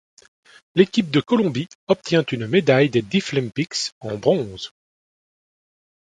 L'équipe de Colombie obtient une médaille des Deaflympics en bronze.